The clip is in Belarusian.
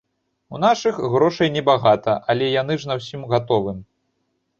У нашых грошай небагата, але яны ж на ўсім гатовым.